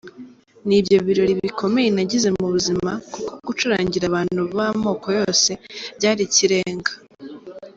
Nibyo birori bikomeye nagize mu buzima kuko gucurangira abantu b’amoko yose byari ikirenga.